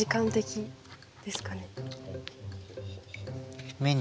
ですかね。